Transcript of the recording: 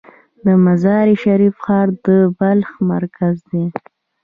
د مزار شریف ښار د بلخ مرکز دی